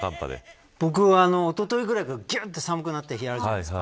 僕は、おとといぐらいからぎゅっと寒くなった日あるじゃないですか。